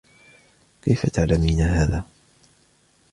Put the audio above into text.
كيفَ تعلمين هذا ؟